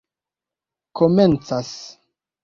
komencas